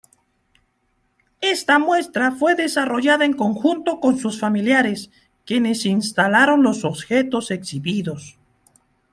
Esta muestra fue desarrollada en conjunto con sus familiares, quienes instalaron los objetos exhibidos.